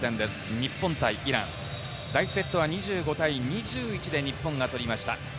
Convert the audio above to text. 日本対イラン第１セットは２５対２１で日本が取りました。